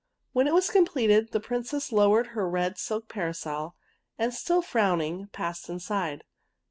When it was completed the Princess low ered her red silk parasol, and, still frowning, passed inside.